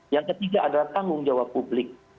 yang ketiga adalah tanggung jawab publik